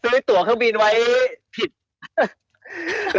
ซื้อตัวเครื่องบินไว้ผิด